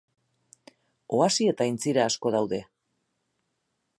Oasi eta aintzira asko daude.